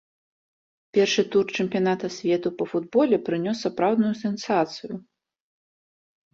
Першы тур чэмпіяната свету па футболе прынёс сапраўдную сенсацыю.